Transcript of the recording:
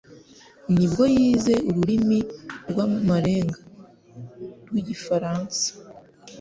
ni bwo yize ururimi rw'amarenga rw'igifaransa.